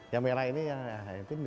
yang merah ini yang pisau tajam